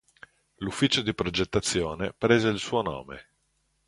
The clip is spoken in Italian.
L'ufficio di progettazione prese il suo nome.